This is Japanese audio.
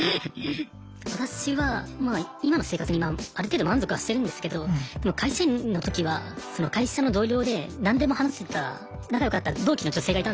私はまあ今の生活にある程度満足はしてるんですけどでも会社員の時は会社の同僚で何でも話せた仲良かった同期の女性がいたんですよ。